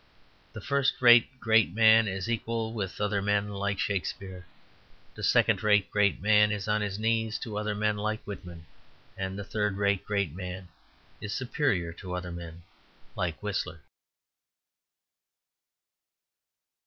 The first rate great man is equal with other men, like Shakespeare. The second rate great man is on his knees to other men, like Whitman. The third rate great man is superior to other men, like Whistler.